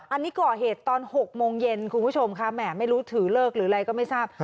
อันนี้ก่อเหตุตอน๖โมงเย็นคุณผู้ชมค่ะแหมไม่รู้ถือเลิกหรืออะไรก็ไม่ทราบ